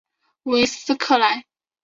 韦斯克莱。